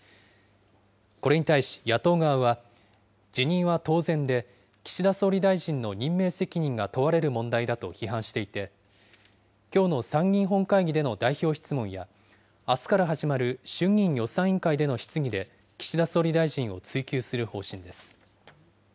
これに対し、野党側は辞任は当然で、岸田総理大臣の任命責任が問われる問題だと批判していて、きょうの参議院本会議での代表質問や、あすから始まる衆議院予算委員会での質疑で岸田総理大臣を追及する方針です。